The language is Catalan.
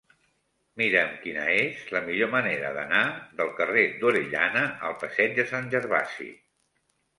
Mira'm quina és la millor manera d'anar del carrer d'Orellana al passeig de Sant Gervasi.